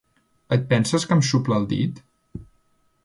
Et penses que em xuple el dit?